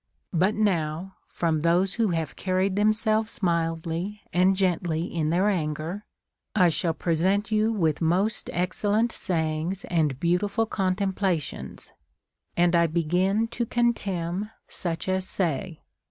But now, from those who have carried themselves mildly and gently in their anger, I shall present you with most excellent sayings and beautiful contemplations ; and I begin to con temn such as say.